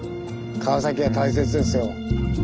川崎は大切ですよ。